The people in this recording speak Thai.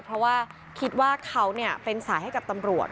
เพราะว่าคิดว่าเขาเป็นสายให้กับตำรวจ